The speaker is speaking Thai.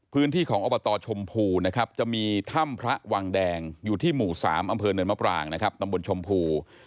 พื้นที่ของอบตชมพูนะครับจะมีถ้ำพระวังแดงอยู่ที่หมู่๓อำเภอเนินมะปรางนะครับตำบลชมพู